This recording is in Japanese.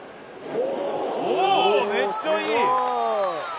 おおめっちゃいい！